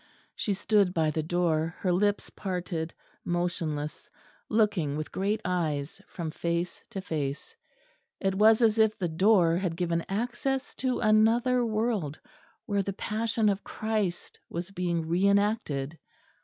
She stood by the door, her lips parted, motionless; looking with great eyes from face to face. It was as if the door had given access to another world where the passion of Christ was being re enacted.